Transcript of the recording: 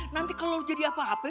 nanti kalau jadi apa apa